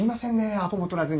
アポもとらずに。